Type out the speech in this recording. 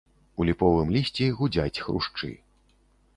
У ліповым лісці гудзяць хрушчы.